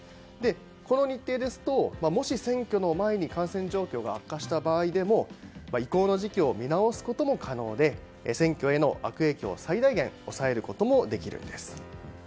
この日程ですと、もし選挙前に感染状況が悪化した場合でも移行の時期を見直すことも可能で選挙への悪影響を最大限抑えることもできるんです。